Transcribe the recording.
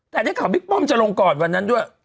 แต่ได้ข่าวบิ๊กป้อมจะลงก่อนวันนั้นด้วย